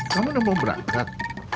kamu udah mau berangkat